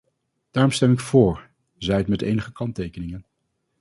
Daarom stem ik vóór, zij het met enige kanttekeningen.